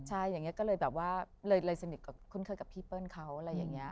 ใช่อย่างนี้ก็เลยแบบว่าเลยสนิทคุ้นเคยกับพี่เปิ้ลเขาอะไรอย่างนี้